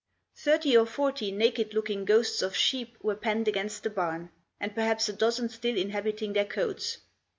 Thirty or forty naked looking ghosts of sheep were penned against the barn, and perhaps a dozen still inhabiting their coats.